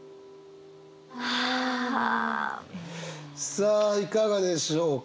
さあいかがでしょうか？